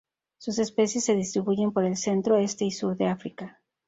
Sus especies se distribuyen por el centro, este y sur de África.